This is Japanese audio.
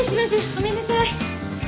ごめんなさい。